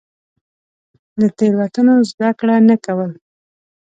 له تېروتنو زده کړه نه کول.